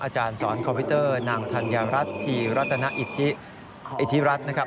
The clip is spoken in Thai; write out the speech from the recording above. อาจารย์สอนคอมพิวเตอร์นางธัญรัฐทีรัตนอิทธิรัฐนะครับ